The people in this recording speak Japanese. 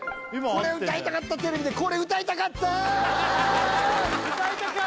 これ歌いたかったテレビで歌いたかったー！